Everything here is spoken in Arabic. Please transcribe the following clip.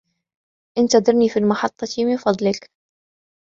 انتظرني في المحطة من فضلك.